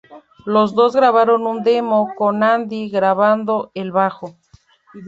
Los dos grabaron un demo con Andy grabando el bajo.